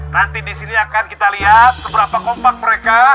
nanti disini akan kita lihat seberapa kompak mereka